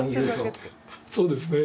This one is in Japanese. そうですね